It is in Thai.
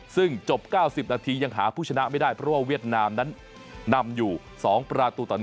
ซึ่งจบ๙๐นาทียังหาผู้ชนะไม่ได้เพราะว่าเวียดนามนั้นนำอยู่๒ประตูต่อ๑